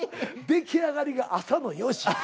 出来上がりが朝の４時や。